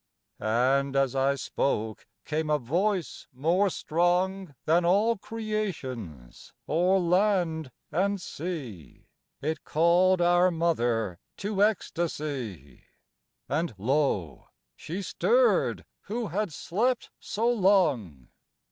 And as I spoke came a voice more strong Than all creation's, o'er land and sea It called our Mother to ecstasy, And lo! she stirred, who had slept so long.